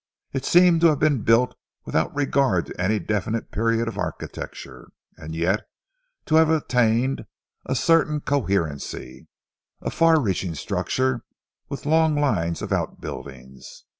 It seemed to have been built without regard to any definite period of architecture, and yet to have attained a certain coherency a far reaching structure, with long lines of outbuildings.